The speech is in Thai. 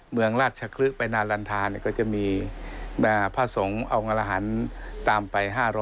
เมืองราชคลึกไปนานทาก็จะมีพระสงฆ์เอางรหันตามไป๕๐๐